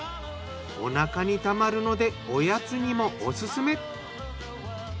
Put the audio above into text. おなかにたまるのでおやつにもオススメ。